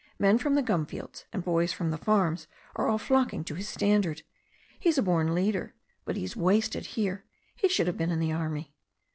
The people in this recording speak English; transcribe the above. Men from the gum fields and boys from the farms are all flocking to his standard. He's a born leader. But he is wasted here. He should have been in the army."